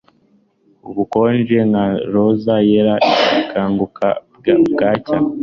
Ubukonje nka roza yera ikanguka bwacya